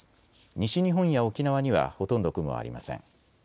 西日本や沖縄にはほとんど雲はありません。